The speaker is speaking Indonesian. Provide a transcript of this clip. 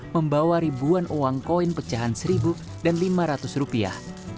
membawa ribuan uang koin pecahan seribu dan lima ratus rupiah